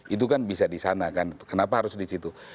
itu kan bisa di sana kan kenapa harus di situ